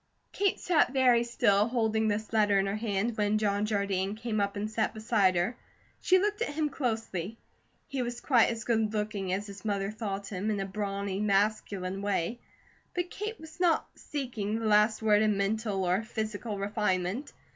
Kate sat very still, holding this letter in her hand, when John Jardine came up and sat beside her. She looked at him closely. He was quite as good looking as his mother thought him, in a brawny masculine way; but Kate was not seeking the last word in mental or physical refinement.